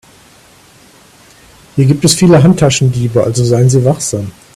Hier gibt es viele Handtaschendiebe, also seien Sie wachsam.